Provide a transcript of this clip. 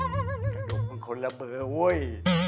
กระดูกมันคนละเบอร์เว้ย